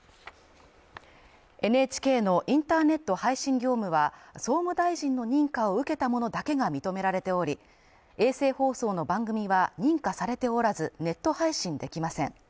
ＮＨＫのインターネット配信業務は総務大臣の認可を受けたものだけが認められており、衛星放送の番組は認可されておらず、ネット配信できません。